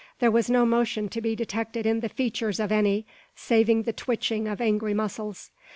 There was no motion to be detected in the features of any, save the twitching of angry muscles.